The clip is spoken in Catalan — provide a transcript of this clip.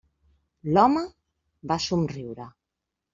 L'home va somriure.